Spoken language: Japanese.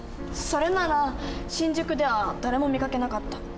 それなら「新宿では誰も見かけなかった。